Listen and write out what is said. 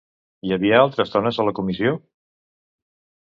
Hi havia altres dones a la comissió?